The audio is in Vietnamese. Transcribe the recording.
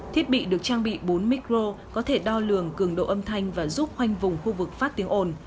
thiết bị được trang bị bốn micro có thể đo lường cường độ âm thanh và giúp khoanh vùng khu vực phát tiếng ồn